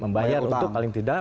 membayar untuk paling tidak